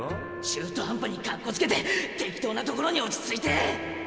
中途半端にかっこつけて適当な所に落ち着いて！